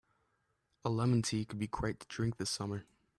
A lemon tea could be great to drink this summer.